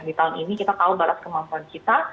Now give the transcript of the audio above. di tahun ini kita tahu batas kemampuan kita